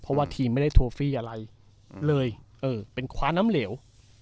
เพราะว่าทีมไม่ได้โทฟี่อะไรเลยเออเป็นคว้าน้ำเหลว